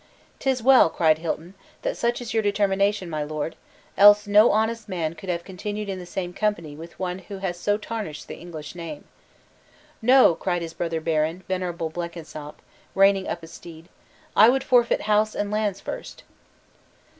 "'Tis well," cried Hilton, "that such is your determination, my lord, else no honest man could have continued in the same company with one who has so tarnished the English name." "No!" cried his brother baron, venerable Blenkinsopp, reining up his steed; "I would forfeit house and lands first."